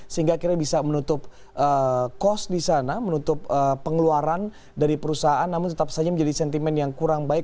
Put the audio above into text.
sehingga akhirnya bisa menutup kos di sana menutup pengeluaran dari perusahaan namun tetap saja menjadi sentimen yang kurang baik